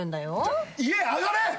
家上がれ！